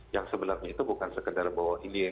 yang sebenarnya itu bukan sekedar bahwa hilir